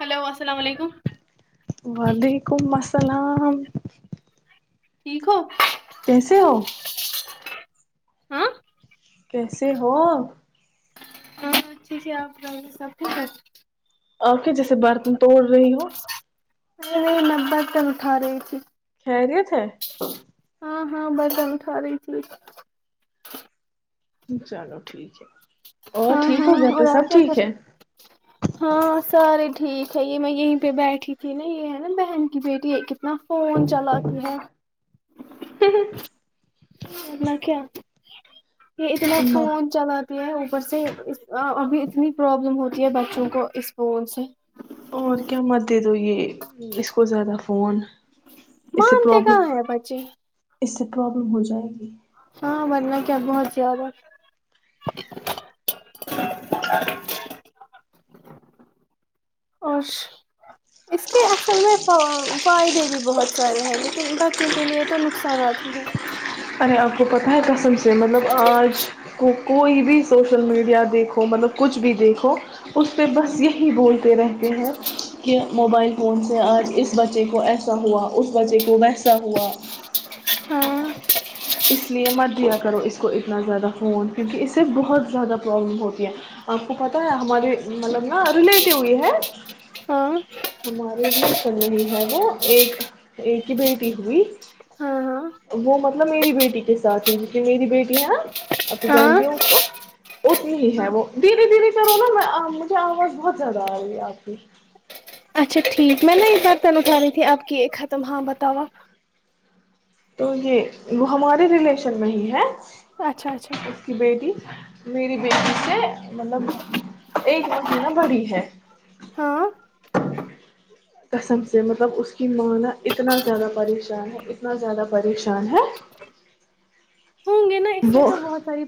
hello السلام علیکم وعلیکم السلام اللام ٹھیک ہو کیسے ہو ہاں کیسے ہو ہاں اچھے سے آپ سب کچھ اور پھر جیسے برتن توڑ رہی ہو مے نبت تک اٹا رہے تھی شریت ہے ہاں ہاں بٹنٹھ رہاری تھی چلو ٹھیک ہے اور ہاں ٹھیک ہو ہاں گھر پہ اور آپ سب کیا ٹھیک کچھ ہے ہاں ساریے ٹھیک اچا یہ میں یہیں پہ بیٹھی تھی نا یہ ہے نا بہن کی بیٹی ہے کتنا فون چلاتی ہے ہ نا کیا یہ اتنا مت فون چلاتی ہے اوپر سے ابھی اتنی پرابلم ہوتی ہے بچوں کو اس فون سے اور کیا مت دید ہو یہ اس کو زیادہ فون اس سے مانتے پرابلم کہاں ہے باچے اس سے پرابلم ہو جائے گی ہاں بننا کیا بہت زیادہ اورش اس کے اصل میں فائدے بھی بہت سارے ہیں لیکن بچوں کے لیے تو نقصانات ہی ہیں آپ کو پتہ ہے پسند سے مطلب آج کوک کوئی بھی سوشل میڈیا دیکھو مطلب کچھ بھی دیکھو اس پہ ہوں بس یہی بولتے رہتے ہیں کہ موبائل فون سے آج اس بچے کو ایسا ہوا اسس بچے کو ویس جاا ہاں اس لیئے مت دیا کرو اس کو اتنا زیادہ فون کیونکہ اس سے بہت زیادہ پرابلم ہوتی ہے آپ کو پتہ ہے ہمارے مطلب نا ریلیٹو یہ ہے ہاں ہمارے لیے تو نہیں ہے وہ ایک یہ کی بٹی ہوئی ہاں ہاں وہ مطلب میری بیٹی کے سات ہے جسے میری بیٹی ہے اب تو ہاں جانتی ہو اس کو اتنی ہی ہے وہ دھیرری دھیرری کرو نا میں مجھے آواز بہت زیادہ آ رہی آپ کی اچھا ٹھیک میں نے برتن اٹھی تھی اب کی ختم ہاں بتاوا تو یہ وہ ہمارے ریلیشن میں ہی ہے اچھا اچھا اس کی بیٹی میری بیٹی سے مطلب ایک مہینہ بڑی ہے ہاں قسم سے مطلب اس کی مان اتنا زیادہ پریشان ہے میں زیادہ پریشان ہے ہوں گے نا اس سے وہ تو بہت ساری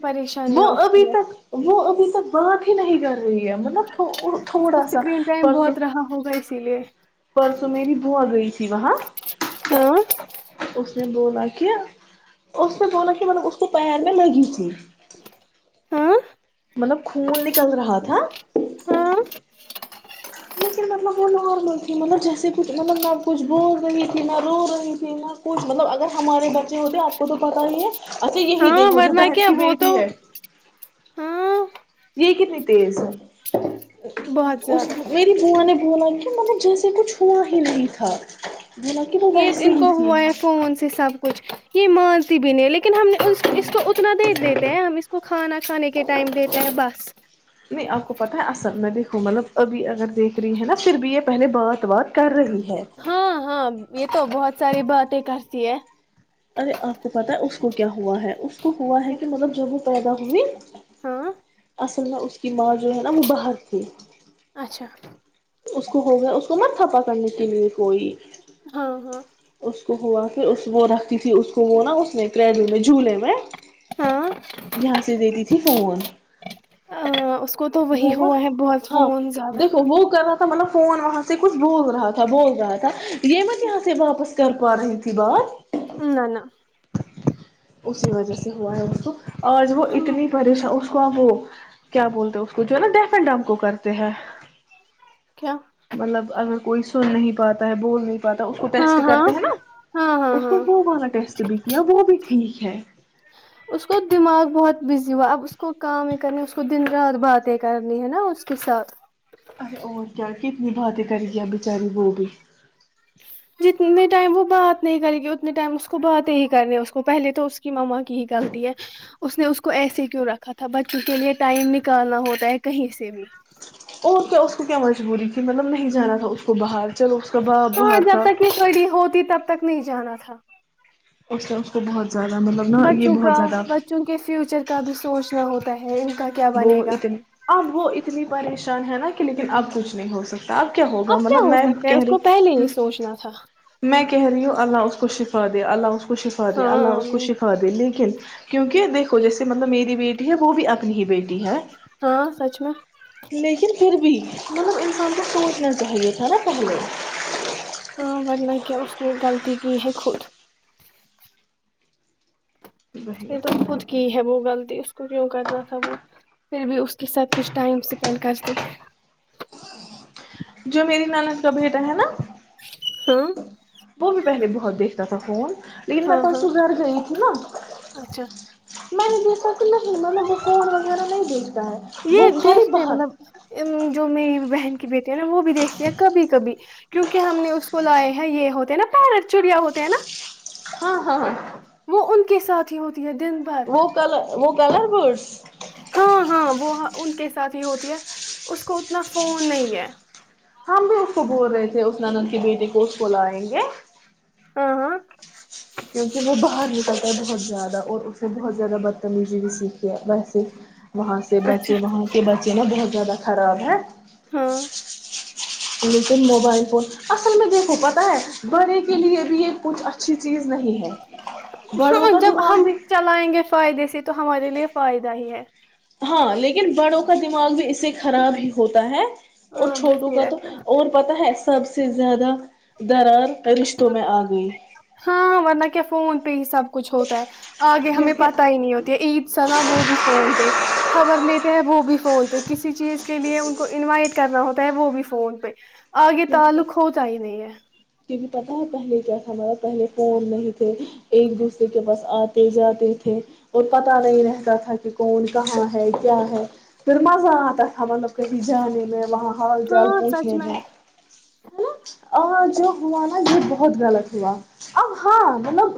وہ پریشانیاں ابھی اٹھتی ہے تک وہ ابھی تک بات ہی نہیں کر صح مطلب اس کو تھوڑا سا اسکرین ٹائم پر بہت پرس رہا ہوگا اسی لیے پرسوں میری بو آ گئی س وہاں ہاں اس نے بولا کیا اس نے بولا کہ مطلب اس کو پیر میں لگی تھی ہاں مطلب خون نکل رہا تھا ہاں لیکن مطلب وہ نارمل تھی مطلب جیسے کچھ مطلب نہ کچھ بولول رہی تھی نہ رو رہی تھی نہ کچھ مطلب اگر ہمارے بچے ہوتے آپ کو تو پتا ہی ہے یہی ہاں دیکھو جو ورنا بہن کیا کی وہ تو بیٹی ہے ہاں یہ کتنی تیز ہے بہت اس زیادہ میری بوو نے بولا کہ مطلب جیسے کچھ ہوا ہی نہیں تھا بولا کہ وہ یہ تو ویسے ان ہی کو تھی ہوا ہے فون سے سب کچھ یہ مان بھی نہیں لیکن ہم نے اس کو اتنا دے دیتے ہیں ہم اس کو کھانا کھانے کے ٹائم دیتا ہے بس [unintelligible] نہیں آپ کو پتہ ہے اصل میں دیکھوں مطلب ابھی اگر دیکھ رہی ہیں نا پھر بھی یہ پہلے بات بات کر رہی ہے ہاں ہاں یہ تو بہت ساری باتیں کرتی ہے [unintelligible] ارے آپ کو پتا ہے اس کو کیا ہوا ہے اس کو ہوا ہے کہ مطلب جب وہ [unintelligible] پیدا ہوئے [unintelligible] ہاں [unintelligible] اصل اس [unintelligible] کی ماں جو ہے نا وہ باہر تھی اچھا اس کو ہو گیا اس کو مت تھپا کرنے کے لیے کوئی ہاں ہاں [unintelligible] اس ہوا پھر وہ رکھتی تھی اس کو وہ نا اس نے کریڈٹ میں [unintelligible] جنےے میں [unintelligible] یہاں سے دیتی تھی فون ہاں اس کو تو وہی وہ ہوا ہے بہت ہاں فون زیادہ دیکھو وہ کر رہا تھا مل فون وہاں سے کچھ بول رہا تھا بول رہا تھا [unintelligible] یہ ما یہات ہے واپس [unintelligible] ر کو رہیتی ب [unintelligible] نہ نہ [unintelligible] اسی وجہ سے ہوا ہے اس [unintelligible] آج وہ ہاں اتنی پریشاں خ وہ کیا بولتے [unintelligible] ک جو ہے نا دفنڈ ہم کو کرتے ہیں کیا [unintelligible] مطلب اگر [unintelligible] کوئی سن نہیں پاتا ہے بولنے [unintelligible] اس کو ہاں ٹیسٹ ہاں کرتے ہیں نا ہاں ہاں اس کو ہاں وہوانا ٹیسٹ بھی کیا وہ بھی کی [unintelligible] ہے [unintelligible] اس کو دماغ بہت بزی ہوا اب اس کو کام کرنی اس کو دن رات باتیں کرنی ہے نا اس کے ساتھ ارے اور کیا کتنی باتیں کر گیا بچاری وہ بھی [unintelligible] جتنے ٹائم وہ بات نہیں کرے گی اتنے ٹائم اس کو باتیں ہی کرنی اس کو پہلے تو اس کی مما کی ہی غلطی ہے اس نے اس کو ایسے کیوں رکھا تھا بچوں کے لیے ٹائم نکالنا ہوتا ہے کہیں سے بھی اور کیا اس کو کیا مجبوری تھی مطلب نہیں جانا تھا اس کو باہر چلو اس کا باپ ہاں باہر جب تھا تک یہ چوی ہوتی تب تک نہیں جانا تھا [unintelligible] اس اس کو بہت [unintelligible] نا یہ بچوں بہت کا زیادہ بچوں کے فیوچر کا بھی سوچنا ہوتا تیں [unintelligible] وہ اتنی اب وہ اتنی پریشانی ان ہے نا کہ لیکن اب کچھ نہیں ہو سکتا [unintelligible] ہوگا اب کیا مطلب ہو میں سکتا ہے کہہ اس کو پہلے رہی یہ سوچنا تھا میں کہہ رہی ہوں اللہ اس کو شفا دے اللہ اس کو کو شفا دے اللہ اس کو ہاں شفا دے لیکن [unintelligible] کیونکہ دیکھو جیسے مطلب میری بیٹی ہے وہ بھی اپنی ہی بیٹی [unintelligible] ہے ہاں سچ میں لیکن [unintelligible] پھر بھی مطلب انسان کو سوچنا چاہیے تھا نا پہلے [unintelligible] ہاں ورنہ کیا اس نے غلطی کی ہے خود وہی یہ تو خود کی ہے وہ گل اس کو کیوں کرنا تھا وہ پھر بھی اس کے ساتھ کچھ ٹائم اسپینڈ کرتی [unintelligible] جو میری ناند کا بیٹا ہے نا ہاں [unintelligible] وہ بھی پہلے بہت دیر [unintelligible] ج تو فون [unintelligible] لیکن میں ہاں تو اس ہاں گھر گئی تھی نا اچھا مانے [unintelligible] اتنا مو وہ فڑ وغیرہ نہیں بیچتا ہے وہ یہ کھالے دیکھتے ہیں باہر مطلب جو میری [unintelligible] کی بیٹی ہے نا وہ بھی دیکھتے ہیں کبھی کبھی [unintelligible] کیونکہ ہم نے اس کو لایا ہی [unintelligible] یہ ہوتے ہیں نا پیرٹ چڑیا ہوتے ہیں نا [unintelligible] ہاں ہاں ہاں [unintelligible] وہ ان کے سات ہی ہوتا [unintelligible] وہ کل وہ کلر بورس ہاں ہاں وہ ان کے ساتھ ہی ہوتی ہے اس کو اتنا فون نہیں ہے ہم بھی اس کو بول رہے تھے اس نند کی بیٹی کو اس کو لائیں گے ہ ہاں کیونکہ وہ باہر نکلتا ہے بہت زیادہ اور اس سے بہت زیادہ بدتمیزی بھی سیکھتے ویسے وہاں سے اچھا بچے وہاں کے بچے نا بہت زیادہ خراب ہےاں ہاں [inaudible] لیکن موبائل فون اصل میں دیکھو پتا ہے بڑے کے لیے بھی یہ کچھ اچھی چیز نہیں ہے بڑوں ہ کا جب دماغ ہم بھی چلائیں گے فائدے سے تو ہمارے لیے فائدہ ہی ہے ہاں لیکن بڑوں کا دماغ بھی اس سے خراب ہی ہوتا ہے اور ہاں چھوٹوں بزی کا تو رہتا اور پتا ہے سب سے زیادہ درار رشتوں میں آ گئی ہاں ورنہ کیا فون پے ح سب کچھ ہوتا ہے آگے ہمیں کیونکہ پت ہی نہیں ہوتی ہے عید سا نا وہ بھی فون پہ خبر لیتے ہیں وہ بھی فون پہ کسی چیز کے لیے ان کو انوائٹ کرنا ہوتا ہے وہ بھی فون پہ آگے تعلق ہو چاہ نہیں ہے کیکہ پتا ہے پہلے کیا تھا مارب پہلے فون نہیں تھے ایک دوسرے کے پاس آتے جاتے تھے اور پتا نہیں رہتا تھا کہ کون کہاں ہے کیا ہے پھر مزہ آتا تھا مطلب کہیں جانے میں وہاں حال چال ہاں سچ پوچھنے میں ن آ جو ہوا نا یہ بہت غلط ہوا اب ہاں مطلب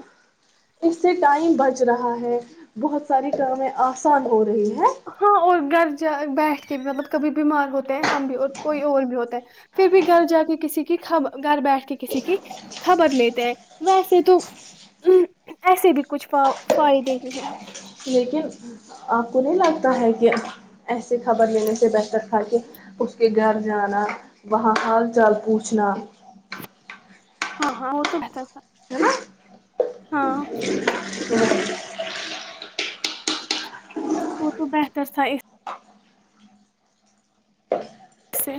اس سے ٹائم بچ رہا ہے بہت ساری کامیں آسان ہو رہی ہے ہاں اور گھر جا بیٹھ کے بھی مطلب کبھی بیمار ہوتے ہیں ہم بھی اور کوئی اور بھی ہوتا ہے پھر بھی گھر جا کے کسی کی گھر بیٹھ کے کسی کی خبر لیتے ہیں ویسے تو ایسے بھی کچھ فائدے ہی ہیں لیکن آپ کو نہیں لگتا ہے کہ ایسے خبر لینے سے بہتر تھا کے اس کے گھر جانا وہاں حال چال پوچھنا ہاں ہاں وہ تو ب ہاں ہاں ہ وہ تو بہتر تھا اس سے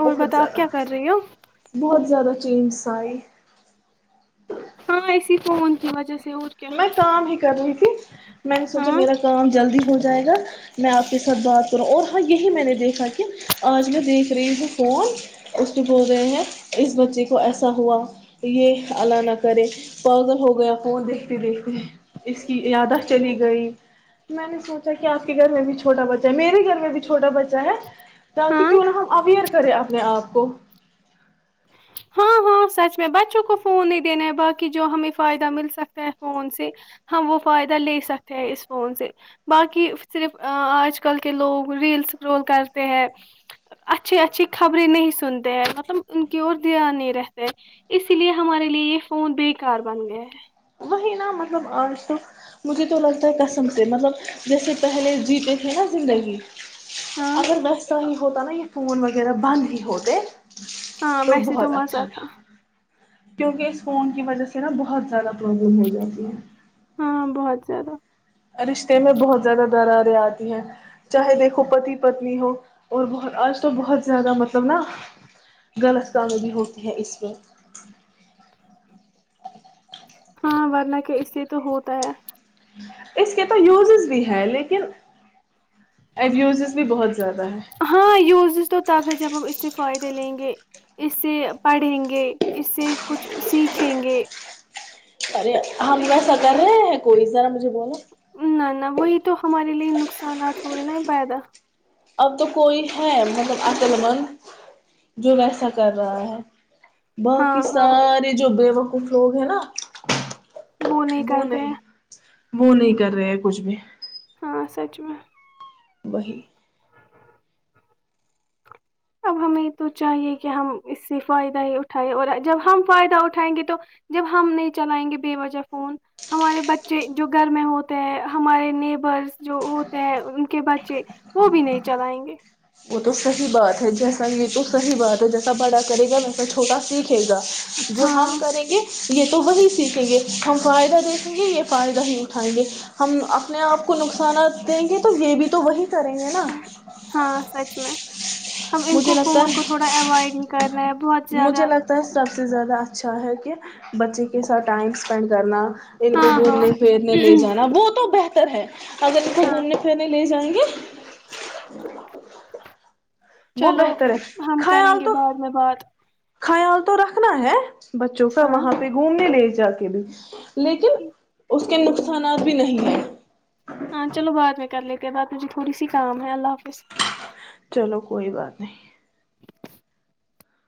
اور بہت بتاؤ آپ زیادہ کیا کر رہی ہو بہت زیادہ چینجس آئے ہاں اسی فون کی وجہ سے اور کیا میں کام ہی کرنی ت میں نے سوچا ہاں میرا کام جلدی ہو جائے گا میں آپ کے ساتھ بات کر اور ہاں یہی میں نے دیکھا کہ آج میں دیکھ رہی ہوں فون اس کے بول گئے ہیں اس بچے کو ایسا ہوا یہ اللہ نہ کرے پاگل ہو گیا فون دیکھ دیکھتے اس کی یادہ چلی گئی میں نے سوچا کہ آپ کے گھر میں بھی چھوٹا بچہ ہے میرے گھر میں بھی چھوٹا بچہ ہے تک ہاں کی نہ ہم اویئر کرے اپنے آپ کو ہاں ہاں سچ میں بچوں کو فون نہیں دینا ہے باقی جو ہمیں فائدہ مل سکتا ہے فون سے ہم وہ فائدہ لے سکتے ہیں اس فون سے باقی صرف آج کل کے لوگ ریل اسکرول کرتے ہیں اچھی اچھی خبریں نہیں سنتے ہیں مطلب ان کی اور دھیان نہیں رہتا ہے اسی لیے ہمارے لیے یہ فون بیکار بن گیا ہے وہی نا مطلب آج تو مجھے تو لگتا ہے کسم سے مطلب جیسے پہلے جیتے تھے نا زندگی ہاں اگر ن اسس سو ہوتا نا یہ فون وغیرہ بند ہی ہوتے ہاں ویسے تو مزہ تھا کیونکہ اس فون کی وجہ سے نا بہت زیادہ پرابلم ہو جاتی ہے ہاں بہت زیادہ رشتے میں بہت زیادہ دراریں آتی ہیں چاہے دیکھو پتی پتنی ہو اور بہت آج تو بہت زیادہ مطلب نا غلط کام بھی ہوتی ہیں اس میں ہاں ورنہ کہ اس سے تو ہوتا ہے اس کے تو یوزز بھی ہے لیکن ای یوزز بھی بہت زیا ہاں وز تو تب ہے جب اس ت فائدے لیں گے اس سے پڑھیں گے اس سے کچھ سیکھیں گے ارے ہم ایسا کر رہے ہیں کوئی ذرا مجھے بولا نہ نہ وہی تو ہمارے لیے نقصانات ہوئے نا پائدہ اب تو کوئی ہے مطلب اکل مند جو ویسا کر رہا ہے ہاں باقی ہاں سارے جوبے کچھ لوگ ہیں نا وہ نہیں کرتے وہ نہیں کر رہے ہیں کچھ بھی ہاں سچ میں وہاہ اب ہمیں تو چاہیے کہ ہم اس سے فائدہ ہی اٹھائےیں اور جب ہم فائدہ اٹھائیں گے تو جب ہم نہیں چلائیں گے بے وجہ فون ہمارے بچے جو گھر میں ہوتے ہیں ہمارے نیبرس جو ہوتے ہیں ان کے بچے وہ بھی نہیں چلائیں گے وہ تو صحیح بات ہے جیسا یہ تو صحیح بات ہے جیسا بڑا کرے گا ویسا چھوٹا سیکھے گا جو ہاں ہم کریں گے یہ تو وہی سیکھیں گے ہم فائدہ دیکھیں گے یہ فائدہ ہی اٹھائیں گے ہم اپنے آپ کو نقصانات دیں گے تو یہ بھی تو وہی کریں گے نا ہاں سچ اب ان مجھے لگتا فون ہے کو تھا اڈ کر مجھے لگتا ہے سب سے زیادہ اچھا اچھا ہے کہ بچے کے ساتھ ٹائم اسپینڈ کرنا ان کو ہاں ہاں گھومنے پرنے لے جانا وہ تو بہتر ر ہے [inaudible] اگر ان کو ہاں بومنے پھر نہیں لے جائیں گے [unintelligible] وہ چلو بہتر ہے ہم کریں خیال گے تو بعد میں بعات خیال تو رکھنا ہے بچوں کا ہاں وہاں پہ گھومنے لے ج جا کے بھی لیکن اس کے نقصانات بھی نہیں ہیں ہاں چلو بعد میں کر لیتے بعد مجھے تھوڑی سی کام ہے اللہ حافظ چلو کوئی بات نہیں